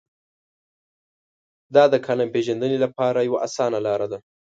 دا د کالم پېژندنې لپاره یوه اسانه لار ده.